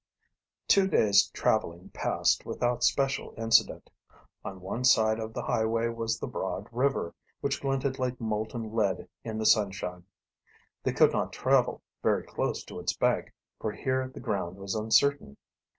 Two days traveling passed without special incident. On one side of the highway was the broad river, which glinted like molten lead in the sunshine. They could not travel very close to its bank, for here the ground was uncertain.